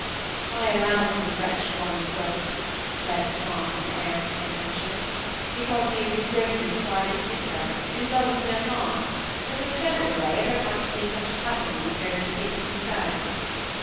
'^I allow the little wretch one vote," said Tom, with an air of condescension, <^ because he is his grace's private tinker, and it does us no harm ; but in a general way, I don't like to see such little hatomeys go for to think for theirselves."